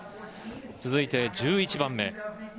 続いて１１番目。